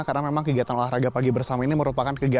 karena memang kegiatan olahraga pagi bersama ini merupakan kegiatan